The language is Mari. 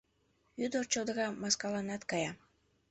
Ӱдыр чодыра маскаланат кая.